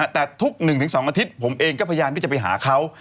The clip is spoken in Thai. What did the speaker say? แต่ทุก๑๒อาทิตย์ผมเองก็พยายามที่จะไปหาเขา